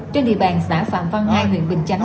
trên địa bàn xã phạm văn hai huyện bình chánh